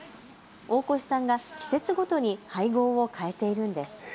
大越さんが季節ごとに配合を変えているんです。